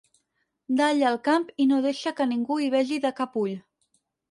Dalla el camp i no deixa que ningú hi vegi de cap ull.